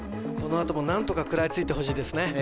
このあとも何とか食らいついてほしいですね